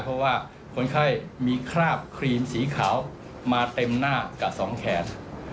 เพราะว่าคนไข้มีคราบครีมสีขาวมาเต็มหน้ากับสองแขน